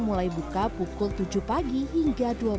mulai buka pukul tujuh pagi hingga dua belas